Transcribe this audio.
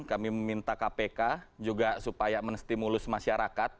kami meminta kpk juga supaya menstimulus masyarakat